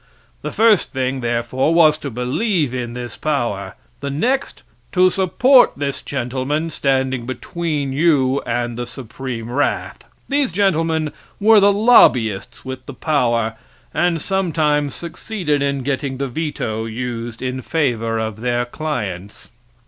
The first thing, therefore, was to believe in this power, the next to support this gentleman standing between you and the supreme wrath. These gentlemen were the lobbyists with the power, and sometimes succeeded in getting the veto used in favor of their clients.